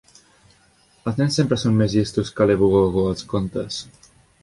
Els nens sempre són més llestos que l'Ebu Gogo als contes.